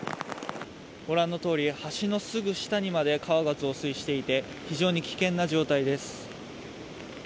ご覧のとおり橋のすぐ下にまで川が増水していて非常に危険な状態です。